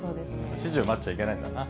指示を待っちゃいけないんだな。